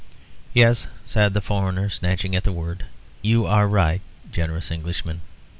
"Yes," said the foreigner, snatching at the word. "You are right, generous Englishman.